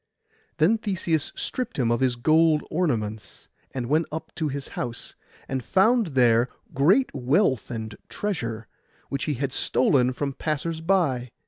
Then Theseus stript him of his gold ornaments, and went up to his house, and found there great wealth and treasure, which he had stolen from the passers by.